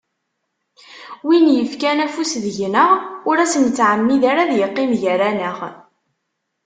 Win yefkan afus deg-neɣ ur as-nettɛemmid ara ad yeqqim gar-aneɣ.